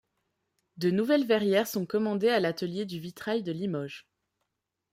De nouvelles verrières sont commandées à l'Atelier du vitrail de Limoges.